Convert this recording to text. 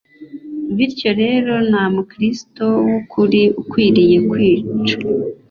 Bityo rero nta Mukristo w ukuri ukwiriye kwica